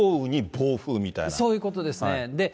そういうことですね。